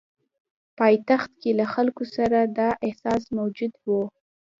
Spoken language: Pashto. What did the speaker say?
پایتخت کې له خلکو سره دا احساس موجود وو.